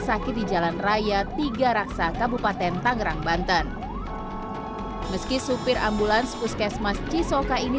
sakit di jalan raya tiga raksa kabupaten tangerang banten meski supir ambulans puskesmas cisoka ini